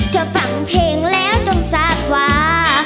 เธอฟังเพลงแล้วจงจากว่า